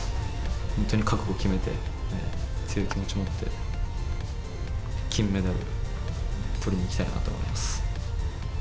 本当に覚悟を決めて、強い気持ちを持って、金メダルをとりに行きたいなと思います。